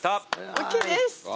ＯＫです。